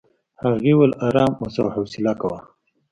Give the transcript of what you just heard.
هغې وویل ارام اوسه او حوصله کوه.